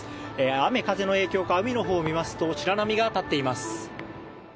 雨、風の影響か海のほうを見ますと白波が立っています。